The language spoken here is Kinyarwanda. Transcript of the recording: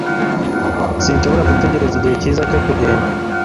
Sinshobora gutekereza igihe cyiza cyo kugenda.